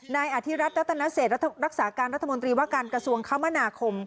นายอธิรัฐรัตนเศษรักษาการรัฐมนตรีว่าการกระทรวงคมนาคม